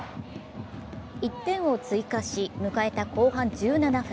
１点を追加し、迎えた後半１７分。